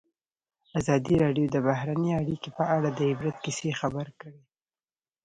ازادي راډیو د بهرنۍ اړیکې په اړه د عبرت کیسې خبر کړي.